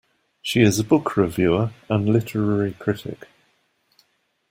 She is a book reviewer and literary critic.